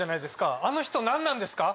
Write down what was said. あの人何なんですか？